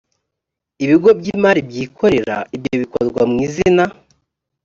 ibigo by imari byikorera ibyo bikorwa mu izina